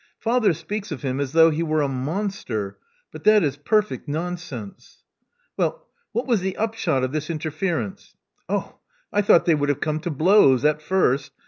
Father speaks of him as though he were a monster; but that is perfect nonsense." Well, what was the upshot of this interference?" '*Oh, I thought they would have come to .blows at first.